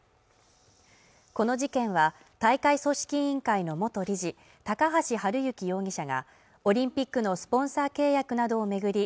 この事件は大会組織委員会の元理事高橋治之容疑者がオリンピックのスポンサー契約などを巡り